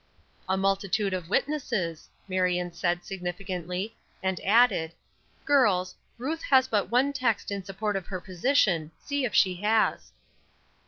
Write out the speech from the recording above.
"A multitude of witnesses," Marion said, significantly; and added, "girls, Ruth has but one text in support of her position; see if she has."